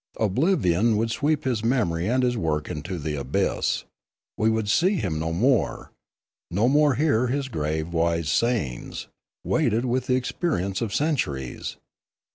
Oblivion would sweep his memory and his work into the abyss. We would see him no more; no more hear his grave wise sayings, weighted with the experience of centuries.